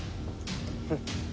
フッ。